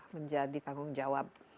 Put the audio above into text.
menjadi tanggung jawab